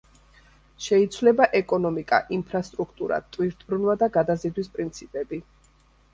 შეიცვლება ეკონომიკა, ინფრასტრუქტურა, ტვირთბრუნვა და გადაზიდვის პრინციპები.